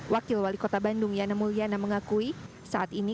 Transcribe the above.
wakil wali kota bandung yana mulyana mengakui saat ini